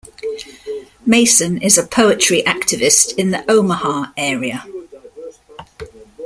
Mason is a poetry activist in the Omaha area.